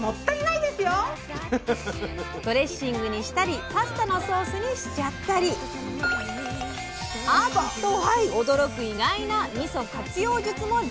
ドレッシングにしたりパスタのソースにしちゃったり⁉アッ！と驚く意外なみそ活用術も伝授します！